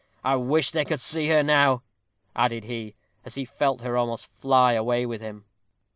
I wish they could see her now," added he, as he felt her almost fly away with him.